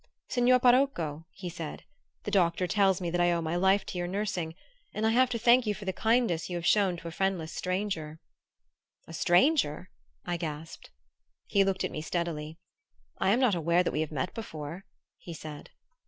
"Signor parocco," he said, "the doctor tells me that I owe my life to your nursing, and I have to thank you for the kindness you have shown to a friendless stranger." "A stranger?" I gasped. He looked at me steadily. "I am not aware that we have met before," he said.